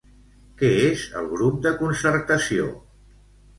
Què és el grup de Concertació?